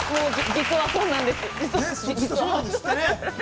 ◆実はそうなんですってね。